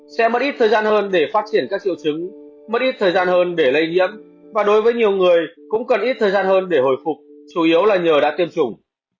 sẽ mất ít thời gian hơn để phát triển các triệu chứng mất ít thời gian hơn để lây nhiễm và đối với nhiều người cũng cần ít thời gian hơn để hồi phục chủ yếu là nhờ đã tiêm chủng